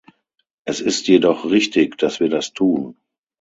Es ist jedoch richtig, dass wir das tun.